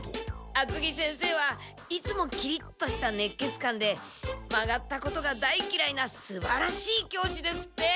厚着先生はいつもキリッとしたねっ血漢で曲がったことが大きらいなすばらしい教師ですって。